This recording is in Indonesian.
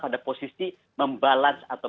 pada posisi membalans atau